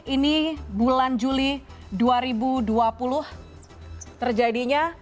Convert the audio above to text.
ini bulan juli dua ribu dua puluh terjadinya